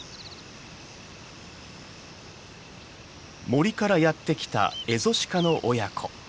森からやって来たエゾシカの親子。